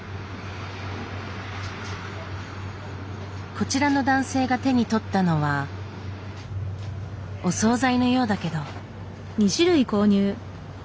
こちらの男性が手に取ったのはお総菜のようだけど。